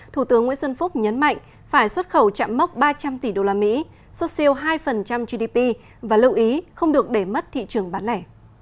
thủ tướng nguyễn xuân phúc nhấn mạnh phải xuất khẩu chạm mốc ba trăm linh tỷ usd xuất siêu hai gdp và lưu ý không được để mất thị trường bán lẻ